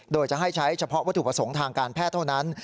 โดยจะให้ใช้เฉพาะวัตถุประสงค์ทางการแพทย์เท่านั้น